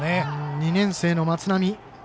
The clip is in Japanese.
２年生の松波。